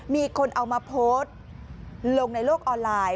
มีคนเอามาโพสต์ลงในโลกออนไลน์